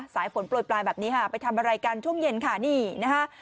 สายฝนโปรยปลายแบบนี้ค่ะไปทำอะไรกันช่วงเย็นค่ะนี่นะคะ